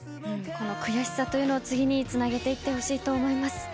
この悔しさというのを次につなげていってほしいと思います。